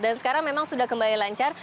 dan sekarang memang sudah kembali lancar